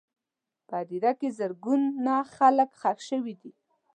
په هدیره کې زرګونه خلک ښخ شوي دي.